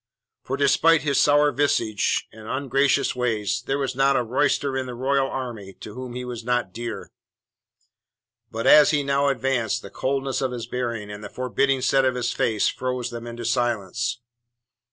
For despite his sour visage and ungracious ways there was not a roysterer in the Royal army to whom he was not dear. But as he now advanced, the coldness of his bearing and the forbidding set of his face froze them into silence.